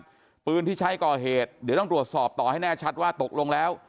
ปืนที่ใช้ก่อเหตุเดี๋ยวต้องตรวจสอบต่อให้แน่ชัดว่าตกลงแล้ว